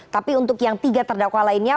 tapi untuk yang tiga terdakwa lainnya